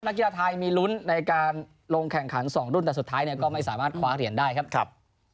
กีฬาไทยมีลุ้นในการลงแข่งขัน๒รุ่นแต่สุดท้ายเนี่ยก็ไม่สามารถคว้าเหรียญได้ครับ